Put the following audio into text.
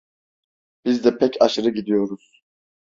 Biz de pek aşırı gidiyoruz.